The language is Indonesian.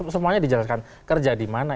semuanya dijelaskan kerja di mana